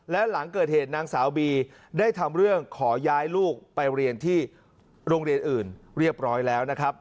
และหลังเกิดเหตุนางสาวบีได้ทำเรื่องขอย้ายลูกไปเรียนที่โรงเรียนอื่นเรียบร้อยแล้วนะครับ